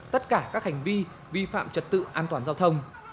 tất cả các hành vi vi phạm trật tự an toàn giao thông